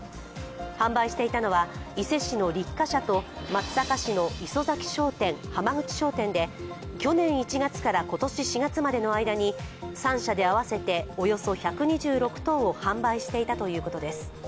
販売していたのは、伊勢市の六花社と松阪市のイソザキ商店、濱口商店で、去年１月から今年４月までの間に、３社で合わせておよそ１２６ｔを販売していたということです。